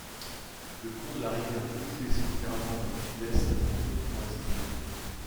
Le cours de la rivière Rouge descend généralement vers le Sud-Est, en zone forestière.